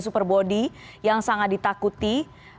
super body yang sangat ditakuti